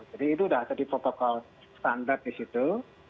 jadi itu sudah ada di protokol standar di situ